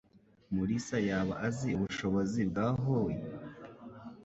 Mulisa yaba azi ubushobozi bwa Howie?